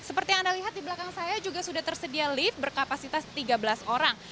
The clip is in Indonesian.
seperti yang anda lihat di belakang saya juga sudah tersedia lift berkapasitas tiga belas orang